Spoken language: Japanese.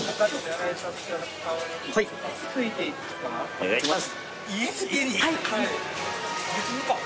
お願いします。